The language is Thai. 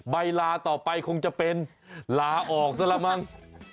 ใบลาต่อไปคงจะเป็นลาออกซะละมั้ง